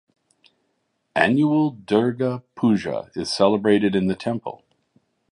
Annual Durga Puja is celebrated in the temple.